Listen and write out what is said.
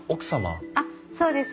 あっそうです。